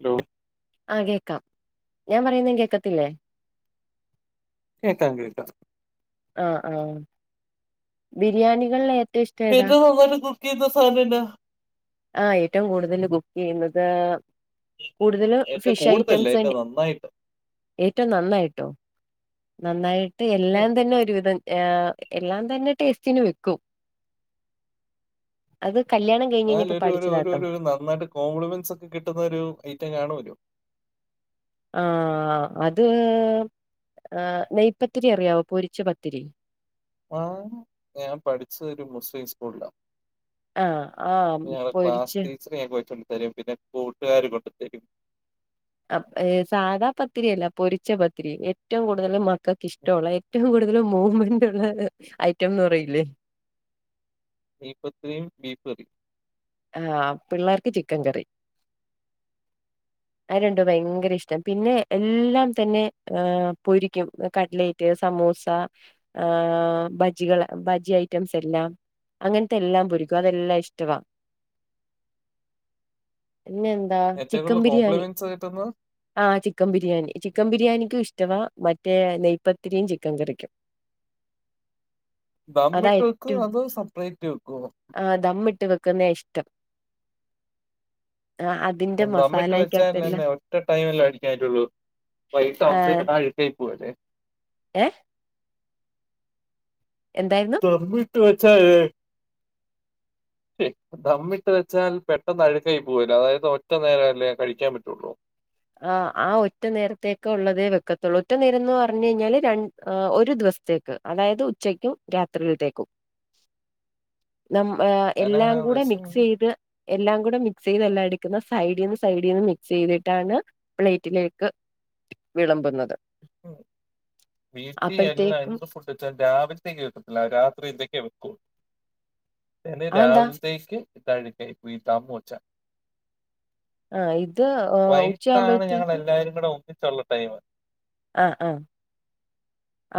Hello ആ കേക്കാം ഞാൻ പറയ്ന്നത് കേക്കത്തില്ലേ? കേൾക്കാം കേൾക്കാം ആഹ ആഹ ബിരിയാണികളില് ഏറ്റവും നന്നായിട്ട് ബുക്ക് ചെയ്യുന്ന സാധനം ആ ഏറ്റവും കൂടുതൽ ബുക്ക് ചെയ്യുന്നത്. കൂടുതൽ ഏറ്റവും ഫിഷ് കൂടുതലല്ല ഐറ്റംസ് ഏറ്റവും തന്നെ നന്നായിട്ട് ഏറ്റവും നന്നായിട്ടോ നന്നായിട്ട് ഉം. എല്ലാം തന്നെ എല്ലാം തന്നെ ടേസ്റ്റിന് വെക്കും. അത് കല്യാണം കഴിഞ്ഞ് അന് കഴിഞ്ഞപ്പോ ഒരു ഒരു ഒരു പഠിച്ചതാട്ടോ ഒരു നന്നായിട്ട് കോംപ്ലിമെന്റ്സ് ഒക്കെ കിട്ടുന്നൊരു ഐറ്റം കാണുമല്ലോ. ആ അത് ആ നെയ്പത്തിരി അറിയാവോ പൊരിച്ച പത്തിരി. ആ ഞാൻ പഠിച്ചതൊരു മുസ്ലിം സ്കൂളിലാണ് ആ ആ പൊരിച്ച് ച്ചിലെ കൊച്ച്മ്മ തരും പിന്നെ കൂട്ടുക്കാര് കൊണ്ട്ത്തരും. അ സാധാ പത്തിരിയല്ല. പൊരിച്ച പത്തിരി ഏറ്റവും കൂട്തല് മ ക്കക്ക് ഇഷ്ട്ടൊള്ള ഏറ്റവും കൂടുതല് മൂവ്മെന്റ് ള്ളോര് ഐറ്റംന്ന് പറയില്ലേ. നെയ്പ്പത്തരിയും ബീഫ് കറിം. ആ പിള്ളാർക്ക് ചിക്കൻ കറി അഹ് രണ്ടും ഭയങ്കര ഇഷ്ട്ടാ പിന്നെ എല്ലാം തന്നെ പൊരിക്കും. കട്ട്ലൈ റ്റ് സമൂസ ആ ബജ്ജികള് ബജ്ജി ഐറ്റംസ് എല്ലാം. അങ്ങൻത്തെ എല്ലാം പൊരിക്കും അതെല്ലാം ഇഷ്ട്ടവാ. പിന്നെ എന്താ ഏറ്റവും ചിക്കൻ കൂടുതൽ ബിരിയാണി. കോംപ്ലിമെന്റ്സ് കിട്ടുന്നത് ആ ചിക്കൻ ബിരിയാണി ചിക്കൻ ബിരിയാണിക്കും ഇഷ്ട്ടവാ മറ്റേ നെയ്പത്തിരിയും ചിക്കൻ കറിക്കും. [inaudible] അതാ ദമ്മിട്ട് വെക്കൊ അതോ സപ്പറേറ്റ് വെക്കൊ ആ ദമ്മിട്ട് വെക്ക്ന്നെ ഇഷ്ട്ടം ആ അതിന്റെ ദമ്മിട്ട് മസാലക്കകത്തെല്ലാം വെച്ചാലന്നെ ഒറ്റ ടൈമല്ലേ അടിക്കാൻ പട്ടൊള്ളൂ. വൈട്ട് ആ [unintelligible] പൊവലെ ഏ എന്തായിര്ന്നു ദമ്മ്ഇട്ട് വെച്ചാ ഏഹ് [unintelligible] ദമ്മിട്ട് വെച്ചാൽ പെട്ടെന്ന് അഴ്ക്കായി പോവല്ലൊ അതായത് ഒറ്റ നേരംഅല്ലെ കഴിക്കാൻ പറ്റൊള്ളൂ ആഹ് ആ ഒറ്റ നേരത്തേക്കുള്ളതെ വെക്കത്തൊള്ളൂ ഒറ്റ നേരംന്ന് പറഞ്ഞൈഞ്ഞാല് രൺ ഹ് ഒരു ദുവ സ് ത്തേക്ക് അതായത് ഉച്ചക്കും രാത്രിയിലത്തേക്കും ദം ഹ് എല്ലാം ഞാനങ്ങനെ കൂടെ വെഷം മിക്സീത് എല്ലാം കൂടെ മിക്സീത് എല്ല എട്ക്ക്ന്ന് സൈഡീന്ന് സൈഡീന്ന് മിക്സീതിട്ടാണ് പ്ലെെറ്റിലേക്ക് വിളമ്പ്ന്നത് ആഹ് ബി എസ് ടി എല്ല അപ്പോഴത്തേക്കും എന്ത് ഫുഡ് വെച്ചാ രാവിൽത്തേക്ക് വെക്കില്ല രാത്രിൽത്തേക്കെ വെക്കൂ എന്നെ ആ എന്താ രാവിൽത്തേക്ക് താഴീട്ടേ വീൽത്താ പോച്ച ആ ഇത് ആ, വൈകിട്ടാണ് ഞങ്ങള് ഉച്ചയാകുമ്പോഴത്തേക്കും എല്ലാരും കൂടെ ഒന്നിച്ചൊള്ള ടൈമ് ആഹ് ആഹ്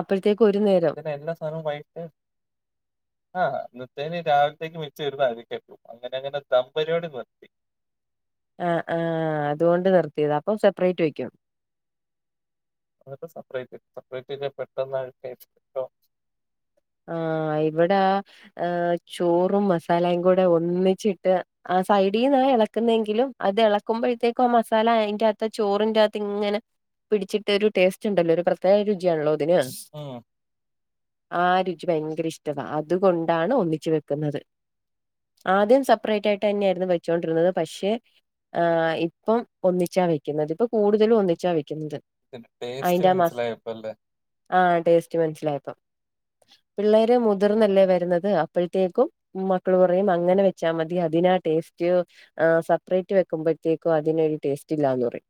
അപ്പഴ്ത്തേക്ക് ഒരു നേരം ഇന്നത്തെ എല്ലാ സാധനും വൈകിട്ട് ആഹ് നിത്തേന് രാവിലത്തേക്ക് മച്ച് വരുന്ന അരിക്കട്ടും അങ്ങനെ അങ്ങനെ ദമ്പരിയോട് നിർത്തി. ആഹ് ആഹ് അതുകൊണ്ട് നിർത്തിയത് അപ്പം സെപ്പറേറ്റ് വെക്കും അതെക്കെ സപ്പറേറ്റ് സപ്പറേറ്റെന്നെ പെട്ടെന്ന് ആയിട്ടേ ആഹ് ഇവടെ ഹ് ചോറും മസാലയും കൂടെ ഒന്നിച്ചിട്ട് ആഹ് സൈഡീന്നാ എളക്ക്ന്നത് എങ്കിലും അത് എളക്കുമ്പാെ കിട്ട്യേക്കും മസാല അയിന്റെ അകത്ത ചോറിന്റകത്ത് ഇങ്ങനെ പിടിച്ചിട്ട് ഒരു ടേസ്റ്റ് ഇണ്ടല്ലോ ഒരു പ്രത്യേക രുചിയാണല്ലോ ഇതിന് ആഹ് ആഹ് രുചി ഭയങ്കര ഇഷ്ട്ടവാ അതുകൊണ്ടാണ് ഒന്നിച്ച് വെക്ക്ന്നത് ആദ്യം സെപ്പറേറ്റ് ആയിട്ട് എന്നെയേര്ന്നു വെച്ചോണ്ടിര്ന്നത് പക്ഷെ ആഹ് ഇപ്പം ഒന്നിച്ചാ വെക്ക്ന്നത് ഇപ്പൊ കൂട്തലും ഒന്നിച്ചാ വെക്ക്ന്നത് ഇതിന്റെ ടേസ്റ്റ് മൻസ്സിലായപ്പൊല്ലെ ആഹ് ടേസ്റ്റ് മൻസ്സിലായപ്പൊ പിള്ളേര് മുതിർന്നല്ലേ വെര്ന്നത് അപ്പഴ്ത്തേക്കും മക്കള് പറയും അങ്ങനെ വെച്ചാ മതി അതിനാ ടേസ്റ്റ് ആഹ് സപ്പറേറ്റ് വെക്കുമ്പഴ്ത്തേക്കും അതിനൊരു ടേസ്റ്റ് ഇല്ലാന്ന് പറയും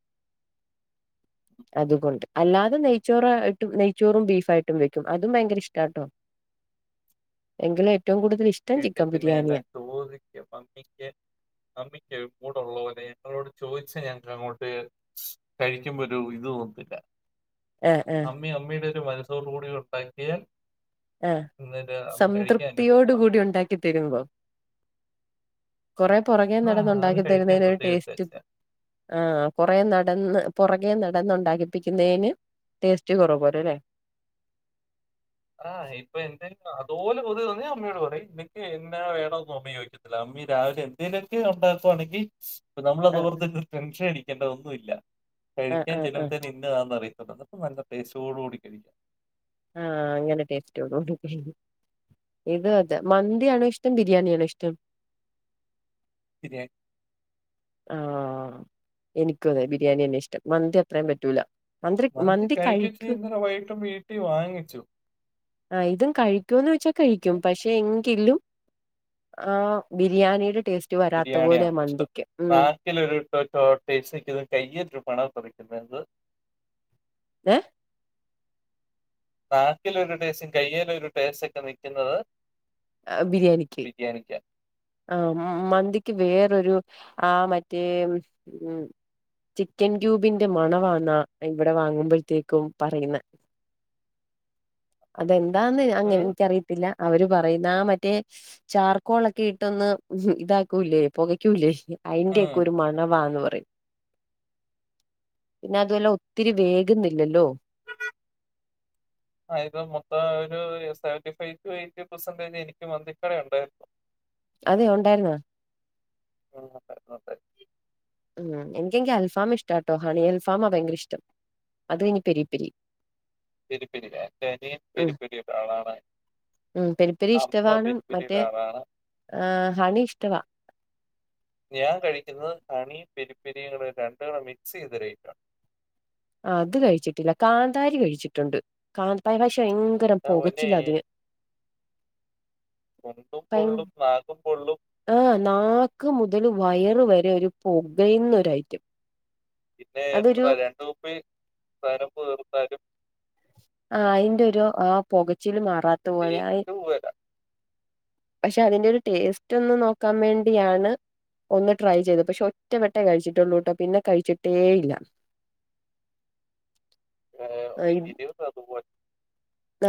അതുകൊണ്ട് അല്ലാതെ നെയ്ച്ചോറായിട്ടും നെയ്ച്ചോറും ബീഫായിട്ടും വെക്കും അതും ഭയങ്കര ഇഷ് കേട്ടോ എങ്കിലും ഏറ്റവും കൂടുതൽ ഇഷ് കേട്ടപ്പിന്നെ എല്ലാം ചോദിക്കും മമ്മിക്ക് മമ്മിക്ക് മൂടൊള്ളാേലെ ഇങ്ങളോട് ചോയിച്ചാ ഞങ്ങക്ക് അങ്ങോട്ട് കഴിക്കുമ്പാെരു ഇത് തോന്നുന്നില്ല ആഹ് ആഹ് അമ്മിംഅമ്മയുടെ ഒരു മനസ്സോടു കൂടി ഉണ്ടാക്കിയാൽ ആഹ് എന്നിട്ട് അന്ന് കഴിക്കാൻ എൻ്റെ സംതൃപ്തിയോട് ഉമ്മ, കൂടി ഉണ്ടാക്കിത്തെരുമ്പാെ കാെറെ പാെറകെ ആ നടന്നു അത് കഴിക്കാൻ ഉണ്ടാക്കിത്തെരുന്നതിനൊരു പ്രത്യേക ടേസ്റ്റ് ടേസ്റ്റാ. ആഹ് കൊറെ നടന്ന് പാെറകെ നടന്ന് ഉണ്ടാക്കിപ്പിക്കുന്നതിന് ടേസ്റ്റ് കാെറവ് വരൂല്ലേ ആഹ് ഇപ്പൊ എന്റെ അതുപോലെ [unintelligible] അമ്മയോട് പറയും നിക്ക് എന്താ വേണോന്ന് അമ്മി ചോയിക്കും അല്ല അമ്മി രാവിലെ എന്തെങ്കലുമൊക്കെ ഉണ്ടാക്കുവാണെങ്കി നമ്മള് ആഹ് അത്പോൽതെന്നെ ടെൻഷൻ അടിക്കേണ്ടത് ഒന്നുംഇല്ല ആഹ് കഴിക്കാൻ ആഹ് ആഹ് ചെന്നൊട്ത്തെന്നെ ഇന്നതാന്ന് അറിയത്തൊള്ളു എന്ന ഇപ്പ നല്ല ടെസ്റ്റോട് കൂടി കഴിക്കാം ആഹ് അങ്ങനെ ടേസ്റ്റാേട് കൂടി കഴിക്കാം ഇത് അതെ മന്തിയാണോ ഇഷ്ടം ബിരിയാണിയാണോ ഇഷ്ടം ബിരിയാണി ആ എനിക്കും അതെ ബിരിയാണി തന്നെ ഇഷ്ടം മന്തി അത്രയും പറ്റൂല. മന്ത്രി മന്തി കഴിക്കച്ച് കഴിക്കും ഇന്നലെ വൈകിട്ടും വീട്ടിൽ വാങ്ങിച്ചു. ആഹ് ഇതും കഴിക്കൂന്ന വെച്ചാ പക്ഷെ കഴിക്കും പ എങ്കിലും ആ ബിരിയാണിയുടെ ടേസ്റ്റ് വരാത്ത പോലെ മന്തിക്ക്. ഉം നാക്കില ഒരു സക്ക് ഇ കയ്യേറ്റ പണ തുറയ്ക്കുന്നതന്നത് ഏ നാക്കില ഒരു ടേസും കയ്യില ഒരു ടേസ്റ്റ് ഒക്കെ നിക്കുന്നത് ആ ബിരിയാണിക്ക്. ആ മന്തിക്ക് വേറൊരു ആ മറ്റേ ഉ ചിക്കൻ ക്യൂബിന്റെ മണവന്നാ ഇവിടെ വാങ്ങുമ്പോത്തേക്കും പറയുന്ന. അതെന്താന്ന്അങ്ങേ ഒരു എനിക്കറിയത്തില്ലഅവര്പറയുന്ന ആ മറ്റേ ചാർക്കോളൊക്കെട്ടൊന്ന് ഇതാക്കൂല്ലേപൊകയ്ക്കൂില്ലേ അയിന്റെക്കൊരുമണവാന്ന്പറയും പിന്നെഅതുഒല്ലഒത്തിരി വേഗുന്നില്ലല്ലോ. ആഇത് മൊത്തംഒരുസെവന്റി ഫൈവ്ടുഎയ്റ്റിപെർസെന്റേജ് എനിക്ക്മന്തിിക്കടയുണ്ട് അതെയുണ്ടായിരുന്ന [unintelligible] നോക്കെ ഉംഎനിക്കെങ്കിഅൽഫാംഇഷ്ടട്ടോ ഹണിഅൽഫാമഭയങ്കരഇഷ്ടം അത് കെഴിഞ്പെരിപ്പെരി പെരുപ്പരില്ലനിയുംപെരുപ്പരി ഒരാളാണ്. ഉംപെരുപ്പരിഇഷ്ടവാണ് ആളാണ്. മറ്റേഹണി ഇഷ്ടവാ. ഞാൻകഴിക്കുന്നത്ഹണി പെരിപ്പരികൂടെരണ്ടുടെ മിക്സൈതൊരായിറ്റണ്ട്. അത്കഴിച്ചിട്ടില്ലകാന്താരി കഴിച്ചിട്ടുണ്ട്കാന്താരിപഷേഭയ എന്റെ പൊന്നേ! രംപോകച്ചിലാത് മുണ്ടുംപൊള്ളുംനാകുംപൊള്ളും ആ്ഹ് നാക്ക്മുതല് വയറ് വരെഒരു പുകയന്നൊരഐറ്റം പിന്നെഎത്രരണ്ട്കുപ്പിസെവനപ്പ് തീർത്താലും ആഹ്അയിന്റെരുആപൊകച്ചില് മാറാത്തപോലെ എരിവ് വരാ പക്ഷെഅതിന്റെരു ടേസ്റ്റോന്ന് നോക്കാവേണ്ടിയാണ്. ഒന്ന്ട്രൈചെയ്ത്പക്ഷെ ഒറ്റവട്ടേ കഴിച്ചിട്ടുള്ളൂട്ടോപിന്നെകഴിച്ചിട്ടേഇല്ല. [inaudible] ആഹ്ഇതിന്റോ [unintelligible]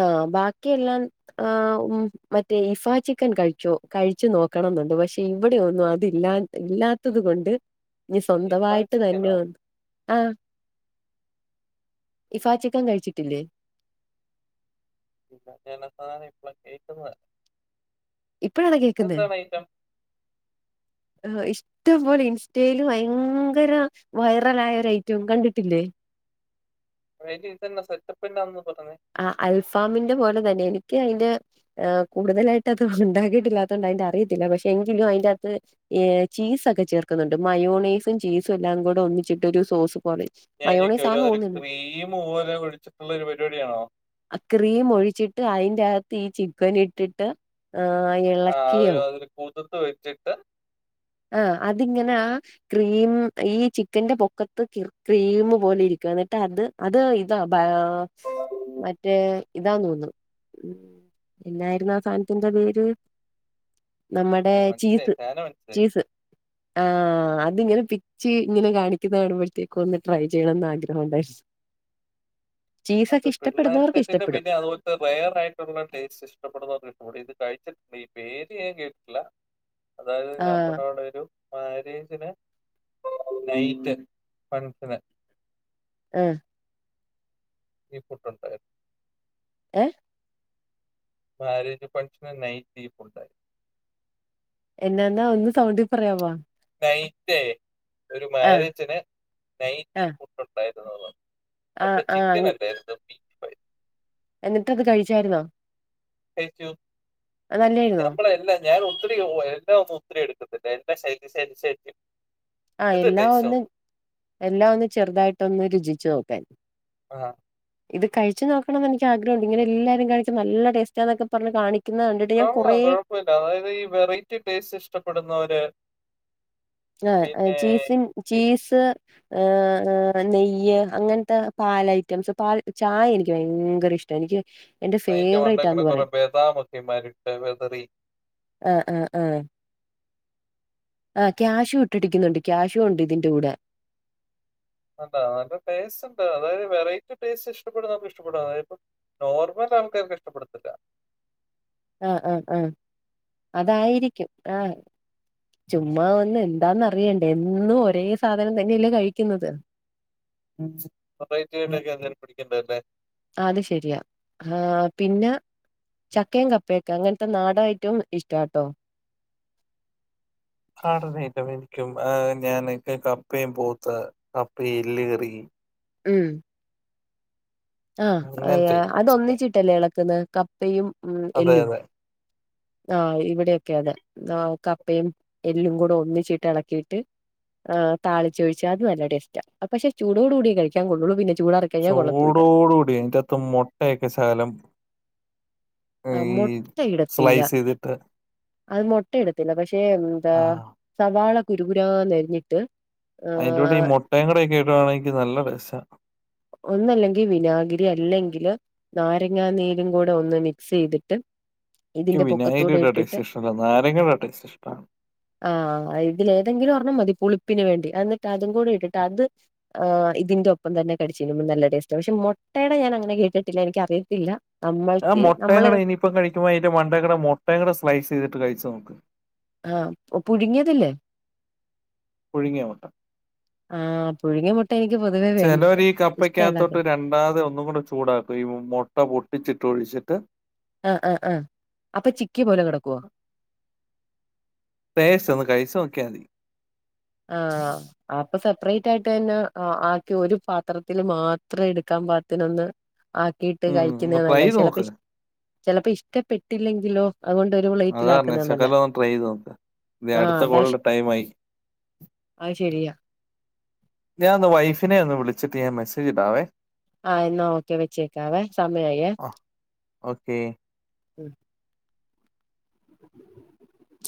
ആഹ്ബാക്കിയെല്ലാം ആ്ഹ്ഉംമറ്റേ ഇഫാചിക്കൻകഴിച്ചോ കഴിച്ചുനോക്കണംന്നുണ്ട്പക്ഷെ ഇവിടെഒന്നുംഅതില്ലാ ഇല്ലാത്തത്കൊണ്ട്നീസ്വന്തവായിട്ട് ചിക്കനോ തന്നെയൊ ആഹ്ഇഫാചിക്കൻകഴിച്ചിട്ടില്ലേ? [unintelligible] സാനംഇപ്പളകേക്കുന്നെ ഇപ്പോഴാണകേക്കുന്നെ ഐറ്റം ഏഹ്ഇഷ് ഇഷ്റ്റംപോലെഇൻസ്റ്റല്ഭയങ്കര വൈറലയഒരുഐറ്റംകണ്ടിട്ടില്ലേ വഇറ്റിതന്നെസെറ്റപ്പിന്റന്നപറഞ്ഞേ. ആ അൽഫാമിന്റെ പോലെ തന്നെ എനിക്ക് അതിന്റെ ആഹ്കൂടുതലായിട്ട്ത് ഉണ്ടാക്കിയിട്ടില്ലാത്തതുകൊണ്ട് അതിന്റെഅറിയത്തില്ലപക്ഷെ എങ്കിലുംഅയിന്റെത്ത്. ചീസൊക്കെചേർക്കുന്നുണ്ട് മയോണീസുംചീസുംഎല്ലാംകൂടെ ഒന്നിച്ചിട്ടോരു സോസ്പോലെ ഞാൻചിക്കഒരുരുക്രീംപോലെ ഒഴിച്ചിട്ടുള്ളൊരുപരിപാടിയാണോ അക്രീംഒഴിച്ചിട്ട്അയിന്റെകത്ത്ഈ ചി്ക്കനിട്ടിട്ട് ആഹ്എ ആഹ് അവരയില്കുതത്ത് വെച്ചിട്ട് ആഹ് അതിങ്ങനെ ആഹ് ക്രീമും ഈചിക്കന്റെപൊക്കത്ത്ക്രീ ക്രീമ് പോലെഇരിക്കും എന്നിട്ടത്അത് ഇതാഭയ അഹ് മറ്റേ ഇതാതോന്ന്ണു എന്നായിരുന്നു ആ സാനത്തിന്റെപേര് നമ്മടെചീസ് അതന്നെമാനസിലായി സ് ആഹ് അതിങ്ങനെപി ച്ചി ഇങ്ങനെകാണിക്കുന്നാണുമ്പോഴത്തേക്കു ഒന്ന്ട്രൈ ചെയ്യണംന്ന് ആഗ്രഹോണ്ടായിരുന്നു ചീസൊക്കെഇഷ്ടപ്പെടുന്നോർക്ക് ഇഷ്ടപ്പെടും ത് വേറായിയിട്ടുള്ളടേസ്റ്റ് ഇഷ്ടപ്പെടുന്നകിട്ടും ഇത് കഴിച്ചിട്ടുണ്ട് ഈപേര്ഞാൻകേട്ട്ട്ടില്ല അതായത് ആഹ് നമ്മടവിടെരുമാരേജ്ന് നൈറ്റ്‌ ഫങ്സ്ഷന് ആഹ് ഈഫുഡ്ഡ്ണ്ടായിരുന്നു ഏഹ് മാരേജ് ഫങ്ഷന് നൈറ്റ് ഈ ഫുഡ്‌ എന്നാന്നാ ഒന്ന് സൗണ്ടി പറയാവാേ നൈറ്റേ ഒരു ആഹ് മാരേജിന് നൈറ്റ് ഈ ആഹ് ഫുഡ് ഉണ്ടായിരുന്നൂന്ന് ആഹ് പക്ഷേ ആഹ് ചിക്കനല്ലായിരുന്നു എന്നിട്ടത് കഴിച്ചായിരുന്നോ കയിച്ചു നല്ലായിരുന്നോ [unintelligible] ഞാൻ ഒത്തിരി എന്ന ഒന്നും ഒത്തിരി എടുത്തിട്ടുണ്ട് എന്നാ ശരി ശരി ശരി ആഹ് എന്നിട്ട് എല്ലാം ടേസ്റ്റ് ഒന്ന് നോക്കും എല്ലാം ഒന്ന് ചെറുതായിട്ടൊന്ന് രുചിച്ചു നോക്കാൻ ആഹ് ഇത് കഴിച്ചു നോക്കണം എനിക്ക് ആഗ്രഹുണ്ട് ഇങ്ങനെല്ലാരും കഴിക്കും നല്ല ടേസ്റ്റാന്നൊക്കെ പറഞ്ഞ് കാണിക് കൊള്ളാം കൊഴപ്പല്ല അതായത് ഈ വെറൈറ്റി ടേസ്റ്റ് ഇഷ്ടപ്പെടുന്നവര് ആഹ് പിന്നെ ചീസിൻ ഈ ചീസ് ഹ് നെയ്യ് അങ്ങൻത്തെ പാലഐറ്റംസ് പാൽ ചായ എനിക്ക് ഭയങ്കര ഇഷ് എനിക്ക് എന്റെ അയിന്റെ വണ്ടക്കെണ ഫേവറേറ്റാന്ന് കൊറെ പറയാം ബദാമക്കെ മരിട്ട് വെതറി ആഹ് ആഹ് ആഹ് ആഹ് ക്യാഷ് ഇട്ടിടിക്കുന്നുണ്ട് ക്യാഷും ഉണ്ട് ഇതിന്റെ കൂടെ [unintelligible] നല്ല ടേസ്റ്റ് ഉണ്ട് അതായത് വെറൈറ്റി ടേസ്റ്റ് ഇഷ്ടപ്പെടുന്നോർക്ക് ഇഷ്ടപ്പെടും അതായിപ്പൊ നോർമൽ ആൾക്കാര്ക്ക് ഇഷ്ടപ്പെടത്തില്ല ആഹ് ആഹ് ആഹ് അതായിരിക്കും ആഹ് ചുമ്മാ ഒന്ന് എന്താന്നറിയണ്ടേ എന്നും ഒരേ സാധനം തന്നെയല്ലേ കഴിക്കുന്നത് ഉം [unintelligible] അത് ശരിയാ ആഹ് പിന്നെ ചക്കയും കപ്പയൊക്കെ അങ്ങൻത്തെ നാടൻ ഐറ്റം ഇഷ്ടാട്ടോ ആടനായിട്ട് എനിക്കും ആഹ് ഞാൻ എനിക്കും കപ്പയും പോത്ത് കപ്പ എല്ല് കറി ഉം അങ്ങനത്തെ ആഹ് ഒക്കെ അതൊന്നിച്ചിട്ടല്ലേ ഇളക്ക്ന്ന് കപ്പയും ഉം അതെ എല്ലും അതെ ആഹ് ഇവിടെയൊക്കെ അതെ ആഹ് കപ്പയും എല്ലും കൂടെ ഒന്നിച്ചീട്ട് എളക്കിയിട്ട് ആഹ് താളിച്ചൊഴിച്ച അത് നല്ല ടേസ്റ്റ പക്ഷേ ചൂടോട് കൂടേ കഴിക്കാൻ കൊള്ളുള്ളൂ പിന്നെ ചൂടാറി കഴിഞ്ഞാ കൊള്ളത്തൂല്ല ചൂടോട് കൂടി ഐറ്റാത്ത് മുട്ടയൊക്കെ ശകലം ആ ഈ മുട്ടയിടത്തില്ല സ്ലൈസ് ചെയ്തിട്ട് അത് മുട്ടയിടത്തില്ല പക്ഷെ എന്താ ആ സവാള കുരുകുരാ നരിഞ്ഞിട്ട് അയിൻ്റൂടെ ഈ മുട്ടയുംകൂടെ ഒക്കെ ഇടുവാണെങ്കി നല്ല ടേസ്റ്റാ ഒന്നല്ലെങ്കിൽ വിനാഗിരി അല്ലെങ്കില് നാരങ്ങ നീരും കൂടെ ഒന്ന് മിക്സ് ചെയ്തിട്ട് ക്കും ഇതിന്റെ പൊക്കത്തൂടെ വിനായികരിയുടെ ഇട്ടിട്ട് ടേസ്റ്റ് ഇഷ്ടല്ല നാരങ്ങളുടെ ടേസ്റ്റ് ഇഷ്ടാണ് ആഹ് ഇതില് ഏതെങ്കിലും ഒരെണ്ണം മതി പുളിപ്പിന് വേണ്ടി എന്നിട്ട് അതും കൂടി ഇട്ടിട്ട് അത് ആ ഇതിന്റെ ഒപ്പം തന്നെ കടിച്ചിരുമ്പോ നല്ല ടേസ്റ്റാ ആ പക്ഷെ മുട്ടയുടെ ഞാൻ അങ്ങനെ കേട്ടിട്ടില്ല എനിക്ക അറിയത്തില്ല ആഹ് മുട്ട കൂടിഇനിയിപ്പം കഴിക്കുമ്പോ അതിന്റെ മണ്ടക്ക് മുട്ടയും കൂടെ സ്ലൈസ് ചെയ്തിട്ട് കഴിച്ചു നോക്ക് ആം പുഴുങ്ങിയതല്ലേ പുഴുങ്ങിയ മുട്ട ആഹ് പുഴുങ്ങിയ മുട്ട എനിക്ക് പൊതുവേ വേണ്ട ചെലവര് ഈ ഇഷ്ടല്ലാത്തെ കപ്പക്കകത്തോട്ട് രണ്ടാത് ഒന്ന് ഒന്നും കൂടെ ചൂടാക്കും ഈ മുട്ട പൊട്ടിച്ചിട്ട് ഒഴിച്ചിട്ട് ആഹ് ആഹ് ആഹ് അപ്പൊ ചിക്കിയ പോലെ കെടക്കുവോ ടേസ്റ്റ് ഒന്ന് കഴിച്ച് നോക്കിയ മതി ആഹ് അപ്പൊ സെപ്പറേറ്റ് ആയിട്ട് തന്നെ ആക്കി ഒരു പാത്രത്തില് മാത്രം എടുക്കാൻ പാകത്തിനൊന്ന് ആക്കിട്ട് ഉം ഒന്ന് കഴിക്കുന്നെയാ ട്രൈ നല്ലത് ചെയ്ത് ചിലപ്പോ നോക്ക് ചിലപ്പോ ഇഷ്ടപ്പെട്ടില്ലെങ്കിലോ അതുകൊണ്ട് ഒരു അതാ പറഞ്ഞെ പ്ലെയിറ്റിലാക്കുന്ന നല്ലെ ശകലം ആ അതാ ഇഷ്ടം ടൈമായി അയ്ശെരിയാ. ഞാൻ ഒന്ന് വൈഫിനെ ഒന്ന് വിളിച്ചിട്ട് ഞാൻ മെസ്സേജിടാവേ. ആഹ് എന്നാ ഓക്കെ വെച്ചേക്കാവേ സമയായിയെ ആഹ ഓക്കെ മം [inaudible]